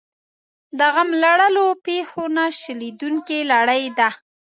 د غم لړلو پېښو نه شلېدونکې لړۍ ده.